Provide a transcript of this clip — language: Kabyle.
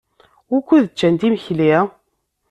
Wukud ččant imekli?